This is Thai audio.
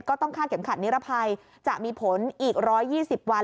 ก็ต้องฆ่าเข็มขัดนิรภัยจะมีผลอีก๑๒๐วัน